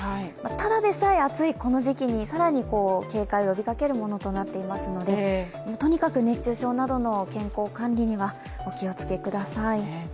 ただでさえ暑いこの時期に更に警戒を呼びかけるものとなっていますのでとにかく熱中症などの健康管理にはお気をつけください。